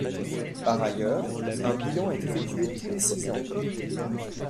Par ailleurs, un bilan est effectué tous les six ans.